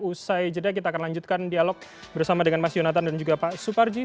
usai jeda kita akan lanjutkan dialog bersama dengan mas yonatan dan juga pak suparji